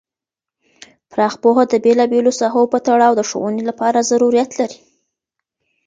پراخ پوهه د بیلا بیلو ساحو په تړاو د ښوونې لپاره ضروریت لري.